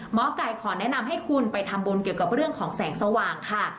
หมอไก่ขอแนะนำให้คุณไปทำบุญเกี่ยวกับเรื่องของแสงสว่างค่ะ